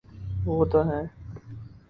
وہ تو ہیں۔